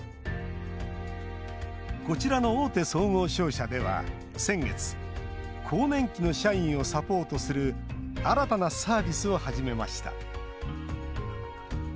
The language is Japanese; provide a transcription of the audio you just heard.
こちらの大手総合商社では先月、更年期の社員をサポートする新たなサービスを始めました。